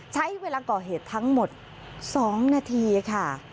ใช้เวลาก่อเหตุทั้งหมด๒นาทีค่ะ